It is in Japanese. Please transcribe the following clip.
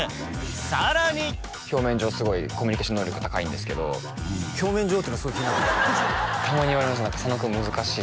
さらに表面上すごいコミュニケーション能力高いんですけど表面上っていうのがすごい気になるんですけどたまに言われます